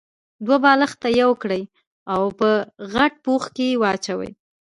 دوه بالښته يو کړئ او په غټ پوښ کې يې واچوئ.